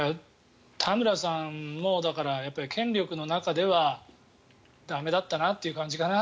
田村さんも権力の中では駄目だったなという感じかな。